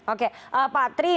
oke pak tri